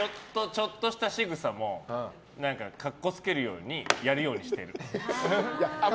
ちょっとした仕草も格好つけるようにやるようにしてる。